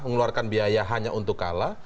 mengeluarkan biaya hanya untuk kalah